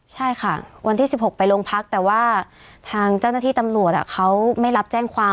ใช่ค่ะวันที่๑๖ไปโรงพักแต่ว่าทางเจ้าหน้าที่ตำรวจเขาไม่รับแจ้งความ